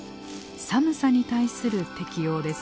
寒さに対する適応です。